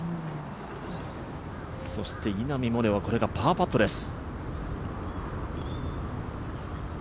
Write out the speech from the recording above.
そして稲見萌寧はこれがパーパットです。